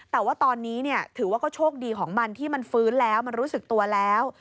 แต่ว่าตอนนี้ถือว่าก็โชคดีของมันที่มันฟื้นแล้วมันรู้สึกตัวแล้ว